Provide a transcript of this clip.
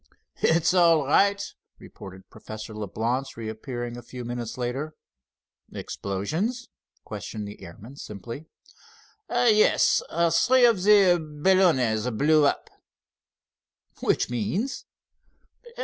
"It's all right," reported Professor Leblance, reappearing a few minutes later. "Explosions?" questioned the airman, simply. "Yes. Three of the balloonets blew up." "Which means?"